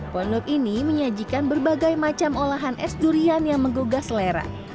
pondok ini menyajikan berbagai macam olahan es durian yang menggugah selera